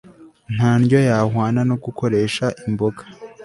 Nta ndyo yahwana no gukoresha imboga